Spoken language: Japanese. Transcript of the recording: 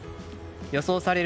予想される